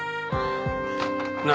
何？